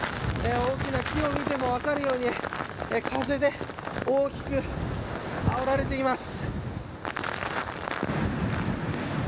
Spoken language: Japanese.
大きな木を見ても、分かるように風で大きくあおられています。